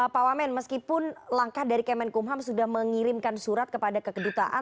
pak wamen meskipun langkah dari kemenkumham sudah mengirimkan surat kepada kekedutaan